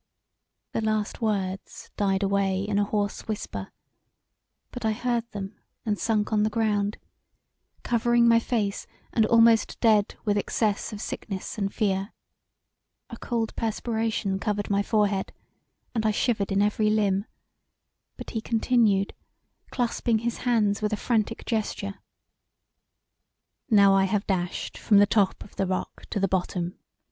The last words died away in a hoarse whisper, but I heard them and sunk on the ground, covering my face and almost dead with excess of sickness and fear: a cold perspiration covered my forehead and I shivered in every limb But he continued, clasping his hands with a frantic gesture: "Now I have dashed from the top of the rock to the bottom!